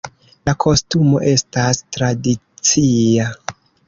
La kostumo estas tradicia.